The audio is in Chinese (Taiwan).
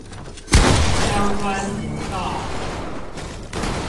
相關頻道